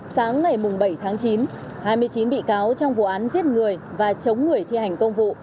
sáng ngày bảy tháng chín hai mươi chín bị cáo trong vụ án giết người và chống người thi hành công vụ